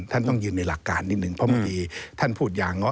ท่านต้องยืนในหลักการนิดนึงเพราะบางทีท่านพูดอย่างง้อ